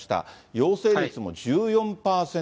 陽性率も１４％。